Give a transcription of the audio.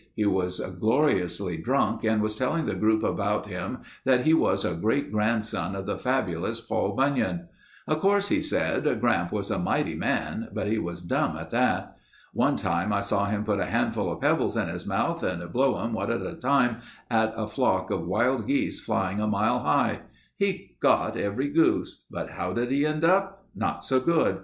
He was gloriously drunk and was telling the group about him that he was a great grand son of the fabulous Paul Bunyan. "Of course," he said, "Gramp was a mighty man, but he was dumb at that. One time I saw him put a handful of pebbles in his mouth and blow 'em one at a time at a flock of wild geese flying a mile high. He got every goose, but how did he end up? Not so good.